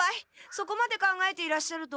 そこまで考えていらっしゃるとは。